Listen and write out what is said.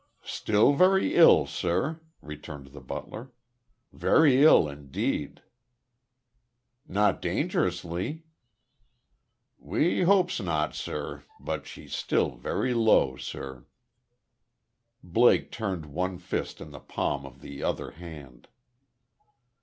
"Still very ill, sir," returned the butler. "Very ill indeed." "Not dangerously?" "We 'opes not, sir. But she's still very low, sir." Blake turned one fist in the palm of the other hand.